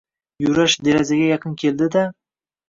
Yurash derazaga yaqin keldi-da: